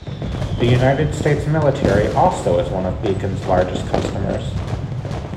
The United States Military also is one of Bekins' largest customers.